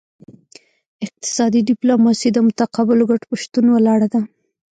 اقتصادي ډیپلوماسي د متقابلو ګټو په شتون ولاړه ده